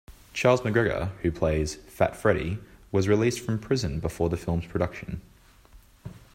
Charles McGregor, who plays Fat Freddie, was released from prison before the film's production.